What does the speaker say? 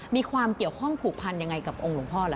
มีความเกี่ยวข้องผูกพันยังไงกับองค์หลวงพ่อค